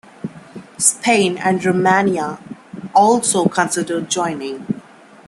Spain and Romania also considered joining.